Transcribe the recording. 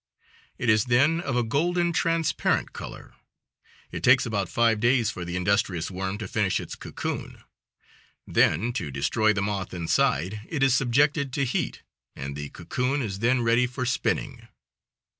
It is then of a golden transparent color. It takes about five days for the industrious worm to finish its cocoon. Then, to destroy the moth inside, it is subjected to heat, and the cocoon is then ready for spinning.